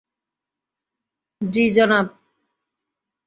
জি, জনাব।